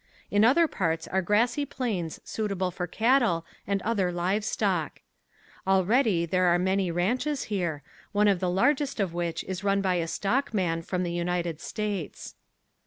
In other parts are grassy plains suitable for cattle and other livestock. Already there are many ranches here, one of the largest of which is run by a stockman from the United States.